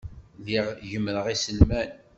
Lliɣ gemmreɣ iselman.